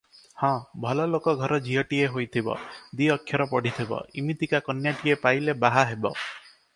ହଁ, ଭଲଲୋକ ଘର ଝିଅଟିଏ ହୋଇଥିବ, ଦି ଅକ୍ଷର ପଢିଥିବ, ଇମିତିକା କନ୍ୟାଟିଏ ପାଇଲେ ବାହା ହେବ ।"